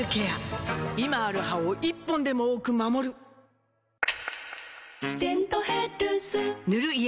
今ある歯を１本でも多く守る「デントヘルス」塗る医薬品も